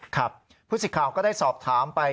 ครับผู้สิทธิ์ข่าวก็ได้สอบถามไป